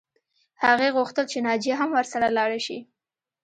هغې غوښتل چې ناجیه هم ورسره لاړه شي